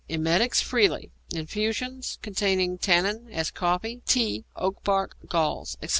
_ Emetics freely; infusions containing tannin, as coffee, tea, oak bark, galls, etc.